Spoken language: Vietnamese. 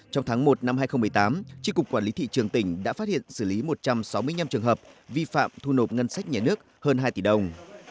trong tháng một năm hai nghìn một mươi tám tri cục quản lý thị trường tỉnh đã phát hiện xử lý một trăm sáu mươi năm trường hợp vi phạm thu nộp ngân sách nhà nước hơn hai tỷ đồng